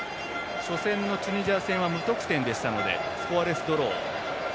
初戦のチュニジア戦は無得点でしたのでスコアレスドローでした。